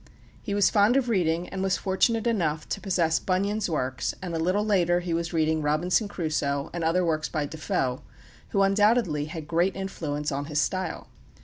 He was fond of reading, and was fortunate enough to possess Bunyan's works, and a little later he was reading Robinson Crusoe and other works by Defoe, who undoubtedly had great influence on his style.